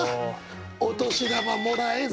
お年玉もらえずと。